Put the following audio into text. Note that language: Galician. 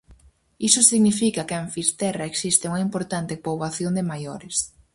Iso significa que en Fisterra existe unha importante poboación de maiores.